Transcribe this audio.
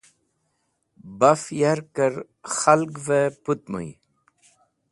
Baf yarkẽr khalgvẽ pũtmũy.